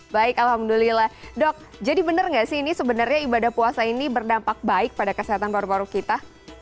baik alhamdulillah dok jadi benar nggak sih ini sebenarnya ibadah puasa ini berdampak baik pada kesehatan paru paru kita